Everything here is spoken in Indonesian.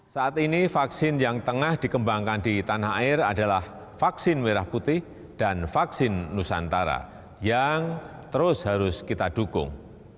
saat ini vaksin yang tengah dikembangkan di tanah air adalah vaksin merah putih dan vaksin nusantara yang terus harus kita dukung